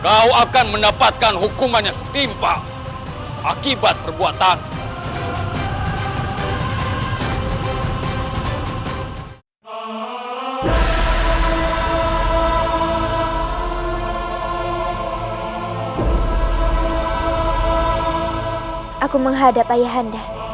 kau akan mendapatkan hukumannya setimpal akibat perbuatan aku menghadap ayah anda